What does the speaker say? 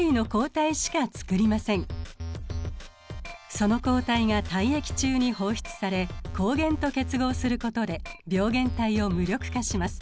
その抗体が体液中に放出され抗原と結合することで病原体を無力化します。